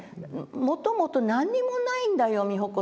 「もともと何にもないんだよ美穂子さん」。